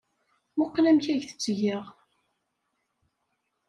Mmuqqel amek ay t-ttgeɣ!